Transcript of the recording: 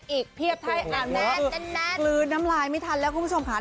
เพียบให้อ่านแน่นกลืนน้ำลายไม่ทันแล้วคุณผู้ชมค่ะ